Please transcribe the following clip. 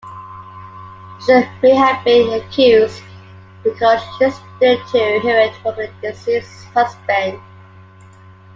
Bishop may have been accused because she stood to inherit from her deceased husband.